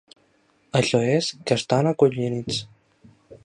Això és que estan acollonits.